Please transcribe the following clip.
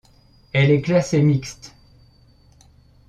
Elle est classée mixte.